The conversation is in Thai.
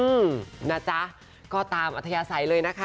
อืมนะจ๊ะก็ตามอัธยาศัยเลยนะคะ